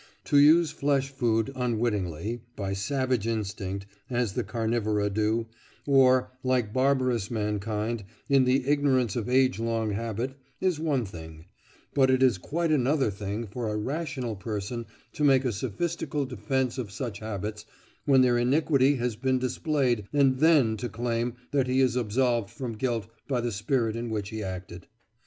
To use flesh food unwittingly, by savage instinct, as the carnivora do, or, like barbarous mankind, in the ignorance of age long habit, is one thing; but it is quite another thing for a rational person to make a sophistical defence of such habits when their iniquity has been displayed, and then to claim that he is absolved from guilt by the spirit in which he acted.